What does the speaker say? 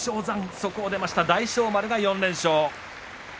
そこを出ました大翔丸が４連勝。